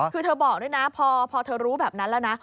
คือเธอบอกด้วยนะพอเธอรู้แบบนั้นแล้วนะ